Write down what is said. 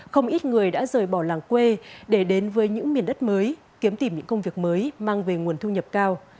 không ít người đã rời bỏ làng quê để đến với những miền đất mới kiếm tìm những công việc mới mang về nguồn thu nhập cao